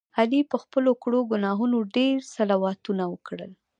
علي په خپلو کړو ګناهونو ډېر صلواتونه وکړل.